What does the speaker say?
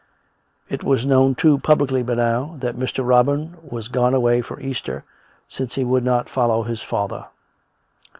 It was known, too, publicly by now, that Mr. Robin was gone away for Easter, since he would not follow his father.